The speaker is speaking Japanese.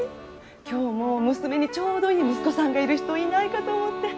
今日も娘にちょうどいい息子さんがいる人いないかと思って。